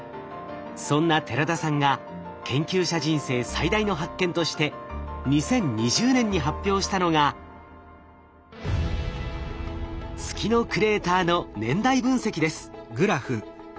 そんな寺田さんが研究者人生最大の発見として２０２０年に発表したのが月のクレーターの年代分析です。